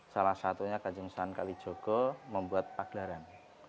salah satunya kajungsan kalijogo membuat paglaran